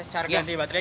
cara ganti baterai